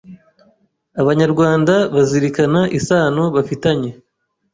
Abanyarwanda bazirikana isano bafitanye